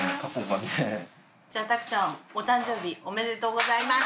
じゃあ拓ちゃんお誕生日おめでとうございます。